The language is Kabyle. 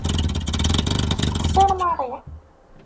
Tettqeṣṣiṛ Mary.